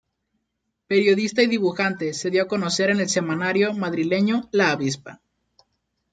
Periodista y dibujante, se dio a conocer en el semanario madrileño "La Avispa".